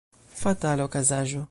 Fatala okazaĵo!